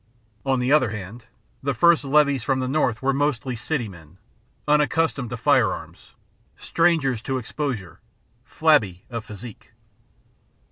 On the other hand, the first levies from the North were mostly city men, unaccustomed to firearms, strangers to exposure, flabby of physique.